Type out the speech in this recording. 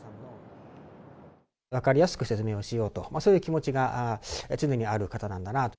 分かりやすく説明しようと、そういう気持ちが常にある方なんだなあと。